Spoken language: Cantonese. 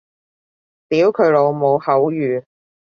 屌佢老母口語